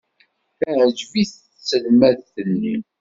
Teɛjeb-it tselmadt-nni.